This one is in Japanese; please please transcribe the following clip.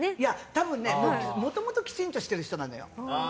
多分ね、もともときちんとしてる人なのよ。